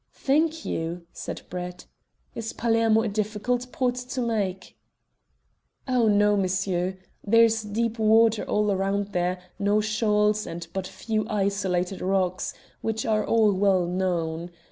"Thank you," said Brett. "Is Palermo a difficult port to make?" "Oh no, monsieur. There is deep water all round here, no shoals, and but few isolated rocks, which are all well known.